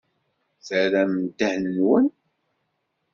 Terram ddehn-nwen.